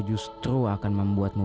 justru akan membuatmu